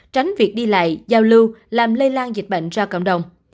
tránh việc đi lại giao lưu làm lây lan dịch bệnh ra cộng đồng